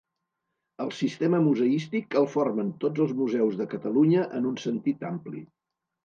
El sistema museístic el formen tots els museus de Catalunya en un sentit ampli.